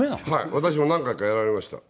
私も何回かやられました。